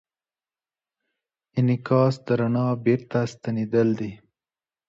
انعکاس د رڼا بېرته ستنېدل دي.